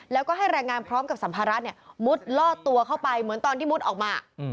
แล้วก็ให้แรงงานพร้อมกับสัมภาระมุดลอดตัวเข้าไปเหมือนตอนที่มุดออกมา